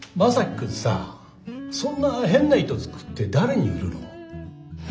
君さぁそんな変な糸作って誰に売るの？